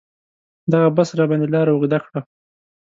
دغه بس راباندې لاره اوږده کړه.